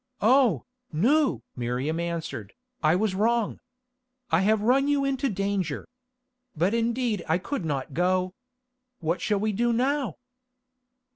"Oh, Nou!" Miriam answered, "I was wrong. I have run you into danger. But indeed I could not go. What shall we do now?"